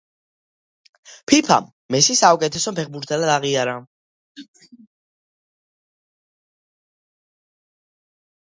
ფიფამ, მესი საუკეთესო ფეხბურთელად აღიარა.